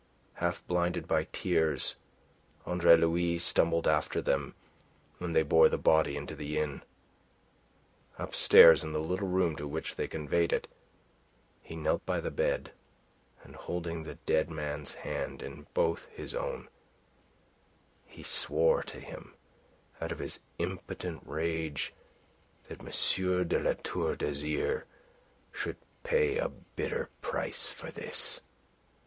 Half blinded by tears Andre Louis stumbled after them when they bore the body into the inn. Upstairs in the little room to which they conveyed it, he knelt by the bed, and holding the dead man's hand in both his own, he swore to him out of his impotent rage that M. de La Tour d'Azyr should pay a bitter price for this.